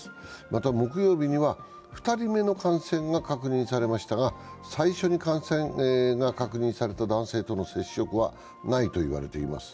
また木曜日には２人目の感染が確認されましたが最初に感染が確認された男性との接触はないと言われています。